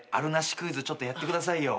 クイズちょっとやってくださいよ。